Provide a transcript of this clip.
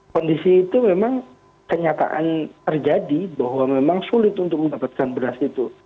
kondisi itu memang kenyataan terjadi bahwa memang sulit untuk mendapatkan beras itu